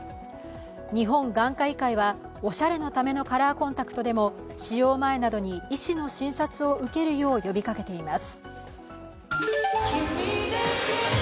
日本眼科医会は、おしゃれのためのカラーコンタクトでも使用前などに医師の診察を受けるよう呼びかけています。